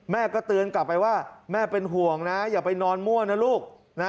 แม่ก็เตือนกลับไปว่าแม่เป็นห่วงนะอย่าไปนอนมั่วนะลูกนะ